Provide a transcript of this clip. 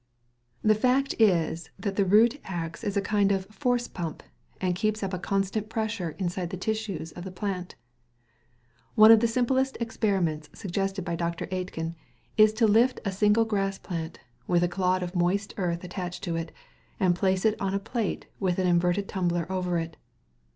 The fact is that the root acts as a kind of force pump, and keeps up a constant pressure inside the tissues of the plant. One of the simplest experiments suggested by Dr. Aitken is to lift a single grass plant, with a clod of moist earth attached to it, and place it on a plate with an inverted tumbler over it.